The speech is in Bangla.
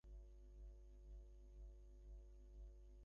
এটার ওপর দামের ট্যাগ লাগাচ্ছি।